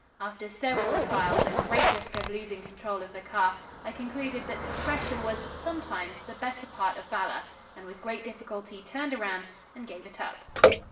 After several trials at great risk of losing control of the car, I concluded that discretion was (sometimes) the better part of valor, and with great difficulty turned around and gave it up.